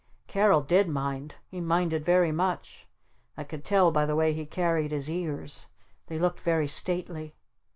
Carol did mind. He minded very much. I could tell by the way he carried his ears. They looked very stately.